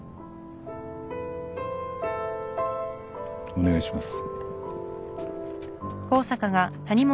お願いします。